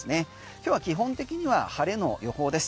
今日は基本的には晴れの予報です。